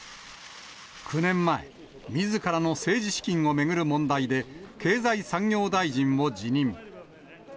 ９年前、みずからの政治資金を巡る問題で、経済産業大臣を辞任。